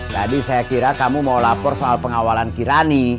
tadi saya kira kamu mau lapor soal pengawalan kirani